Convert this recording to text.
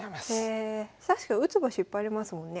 確かに打つ場所いっぱいありますもんね。